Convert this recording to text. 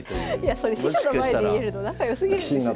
それ師匠の前で言えるの仲良すぎるんですよね。